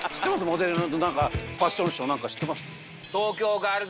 モデルのファッションショー何か知ってます？